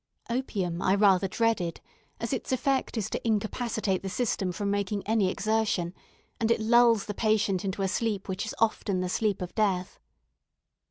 Opium I rather dreaded, as its effect is to incapacitate the system from making any exertion, and it lulls the patient into a sleep which is often the sleep of death.